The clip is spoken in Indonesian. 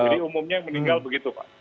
jadi umumnya meninggal begitu pak